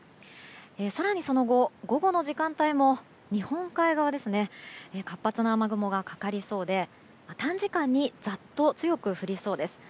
更にその後、午後の時間帯も日本海側で活発な雨雲がかかりそうで短時間にざっと強く降りそうです。